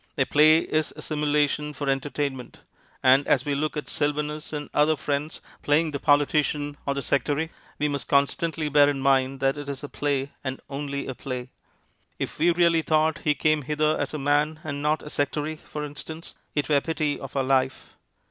A play is a simulation for entertainment, and as we look at Sylvanus and our other friends playing the politician or the sectary, we must constantly bear in mind that it is a play, and only a play. If we really thought he came hither as a man and not a sectary, for instance, it were pity of our life.